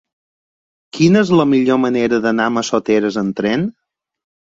Quina és la millor manera d'anar a Massoteres amb tren?